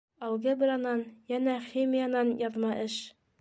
- Алгебранан, йәнә химиянан яҙма эш.